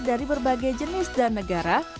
dari berbagai jenis dan negara